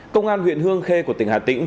công an huyện hương khê của tỉnh hà tĩnh